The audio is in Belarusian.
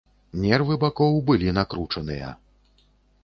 Нервы бакоў былі накручаныя.